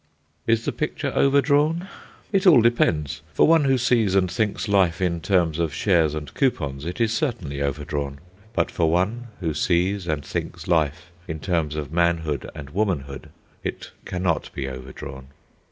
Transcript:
Is the picture overdrawn? It all depends. For one who sees and thinks life in terms of shares and coupons, it is certainly overdrawn. But for one who sees and thinks life in terms of manhood and womanhood, it cannot be overdrawn.